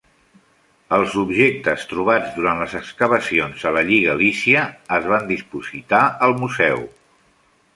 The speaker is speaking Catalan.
Els objectes trobats durant les excavacions a la Lliga Lícia es van dipositar al museu.